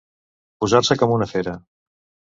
Posar-se com una fera.